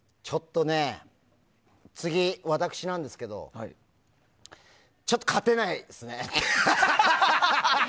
次、私なんですけどちょっと勝てないですね。